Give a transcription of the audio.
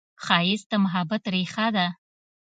ښایست د محبت ریښه ده